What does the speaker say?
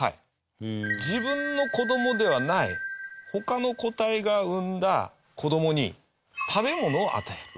自分の子どもではない他の個体が生んだ子どもに食べ物を与える。